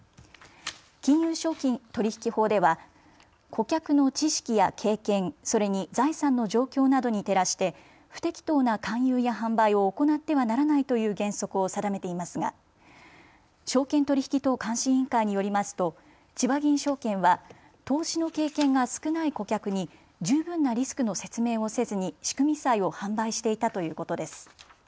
金融商品取引法では顧客の知識や経験、それに財産の状況などに照らして不適当な勧誘や販売を行ってはならないという原則を定めていますが証券取引等監視委員会によりますと、ちばぎん証券は投資の経験が少ない顧客に十分なリスクの説明をせずに仕組み債を販売していたということです。